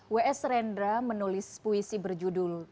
w s rendra menulis puisi berjudul